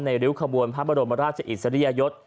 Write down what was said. ริ้วขบวนพระบรมราชอิสริยยศ